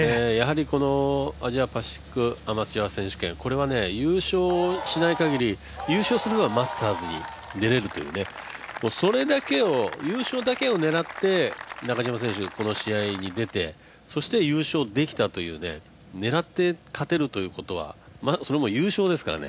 アジア・パシフィック・アマチュア選手権、これは優勝しないかぎり、優勝すればマスターズに出れるというそれだけを、優勝だけを狙って中島選手はこの試合に出てそして優勝できたという狙って勝てるということは、それも優勝ですからね